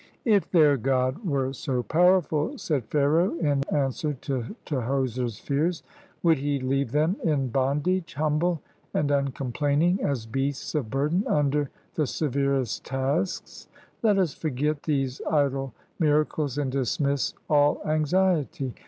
"If their God were so powerful," said Pharaoh, in an swer to Tahoser's fears, "would he leave them in bond age, humble and uncomplaining as beasts of burden under the severest tasks? Let us forget these idle mira cles and dismiss all anxiety.